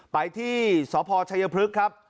ไปที่สพชัยพฤกษ์ครับ